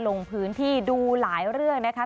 ลงพื้นที่ดูหลายเรื่องนะคะ